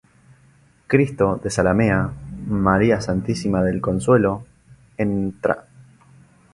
Cristo de Zalamea, María Santísima del Consuelo, Ntra.